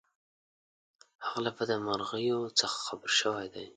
هغه له بدمرغیو څخه خبر شوی دی.